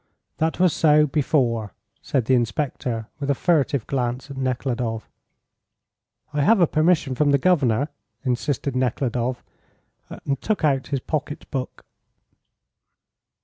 "That was so, before," said the inspector, with a furtive glance at Nekhludoff. "I have a permission from the governor," insisted Nekhludoff, and took out his pocket book.